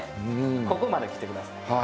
ここまで来てください。